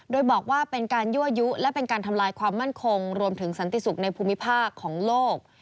โดยบอกว่าเป็นการยั่วยุและเป็นการทำลายความมั่นคงรวมถึงสันติสุขในภูมิภาคของโลก